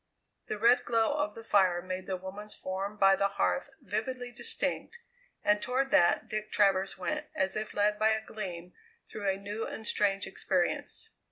The red glow of the fire made the woman's form by the hearth vividly distinct, and toward that Dick Travers went as if led by a gleam through a new and strange experience.